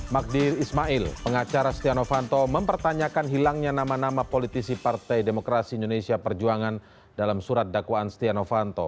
magdir ismail pengacara stiano fanto mempertanyakan hilangnya nama nama politisi partai demokrasi indonesia perjuangan dalam surat dakwaan stiano fanto